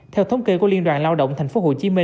theo thống kê của liên đoàn lao động tp hcm